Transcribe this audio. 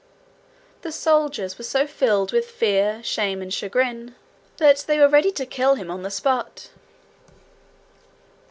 The soldiers were so filled with fear, shame, and chagrin, that they were ready to kill him on the spot.